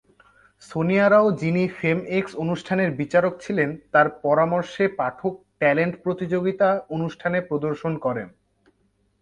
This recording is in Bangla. সোনিয়া রাও, যিনি ফেম এক্স অনুষ্ঠানের বিচারক ছিলেন, তার পরামর্শে পাঠক ট্যালেন্ট প্রতিযোগিতা অনুষ্ঠানে প্রদর্শন করেন।